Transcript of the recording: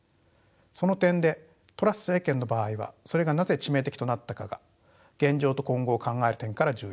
その点でトラス政権の場合はそれがなぜ致命的となったかが現状と今後を考える点から重要です。